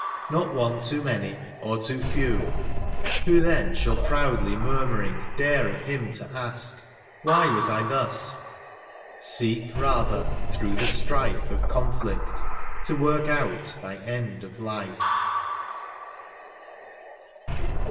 Not one too many, or too few ; who, then. Shall proudly murmuring dare of Him to ask. Why was I thus ? seek, rather, through the strife Of conflict, to work out thy end of life.